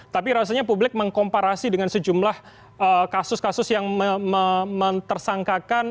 tapi rasanya publik mengkomparasi dengan sejumlah kasus kasus yang mentersangkakan